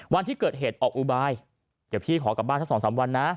วันที่เกิดเหตุออกอุบายเดี๋ยวพี่ขอกลับบ้านสัก๒๓วันนะ